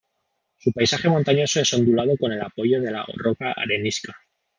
Su paisaje montañoso es ondulado con el apoyo de la roca arenisca.